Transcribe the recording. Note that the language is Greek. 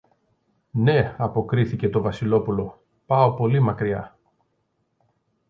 Ναι, αποκρίθηκε το Βασιλόπουλο, πάω πολύ μακριά.